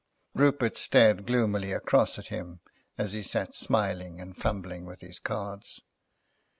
Rupert stared gloomily across at him as he sat smiling and fumbling with his cards.